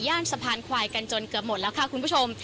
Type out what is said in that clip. สะพานควายกันจนเกือบหมดแล้วค่ะคุณผู้ชม